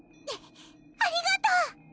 ありがとう！